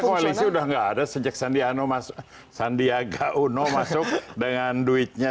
saya kira koalisi udah gak ada sejak sandi uno masuk dengan duitnya